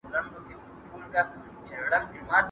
ظالم حیران شي چې له ظلمه یې مزه واخلمه